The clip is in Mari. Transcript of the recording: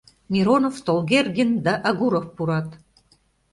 Миронов, Толгердин да Агуров пурат.